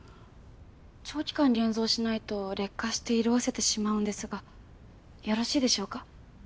長期間現像しないと劣化して色あせてしまうんですがよろしいでしょうか？